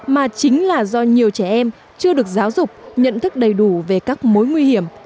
mà chính là do nhiều trẻ em chưa được giáo dục nhận thức đầy đủ về các mối nguy hiểm